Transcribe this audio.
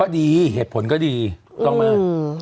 ดีเหตุผลก็ดีต้องมาก